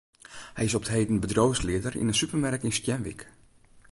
Hy is op 't heden bedriuwslieder yn in supermerk yn Stienwyk.